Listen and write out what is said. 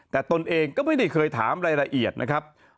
แต่ตนเองก็ไม่ได้เคยถามรายละเอียดนะครับ